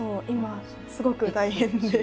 今すごく大変で。